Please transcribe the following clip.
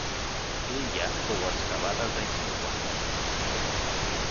L'illa fou excavada als anys cinquanta.